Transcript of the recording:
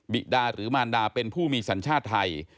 ิดาหรือมารดาเป็นผู้มีสัญชาติไทย